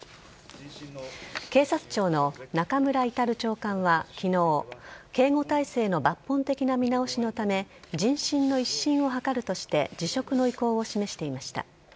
警察庁の中村格長官は昨日警護体制の抜本的な見直しのため人心の一新を図るとして辞職の意向を示していました。